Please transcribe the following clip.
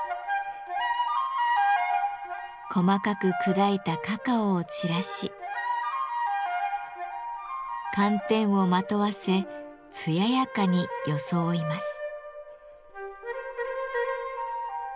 細かく砕いたカカオを散らし寒天をまとわせ艶やかに装います。